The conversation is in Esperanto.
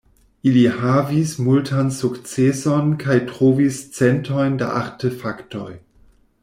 Ili havis multan sukceson kaj trovis centojn da artefaktoj.